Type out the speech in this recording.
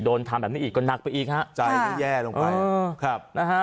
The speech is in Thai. โดนทำแบบนี้อีกลงไปอีกครับใจแย่ลงไปครับนะฮะ